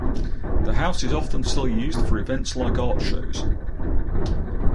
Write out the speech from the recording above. The house is often still used for events like Art Shows.